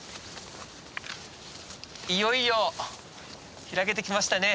いよいよ開けてきましたね。